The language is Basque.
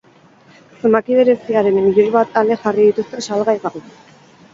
Zenbaki bereziaren milioi bat ale jarri dituzte salgai gaur.